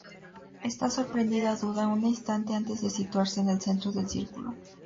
Esta, sorprendida, duda un instante antes de situarse en el centro del círculo.